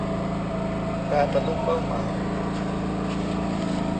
การบรรลุเป้าหมาย